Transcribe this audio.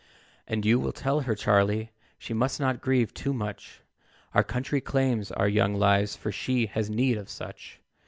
"And you will tell her, Charlie, She must not grieve too much, Our country claims our young lives, For she has need of such.